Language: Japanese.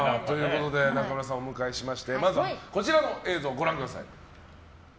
中村さんをお迎えしてまずはこちらの映像をご覧ください。